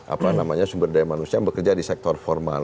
apa namanya sumber daya manusia yang bekerja di sektor formal